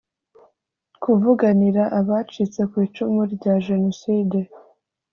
kuvuganira abacitse ku icumu rya jenoside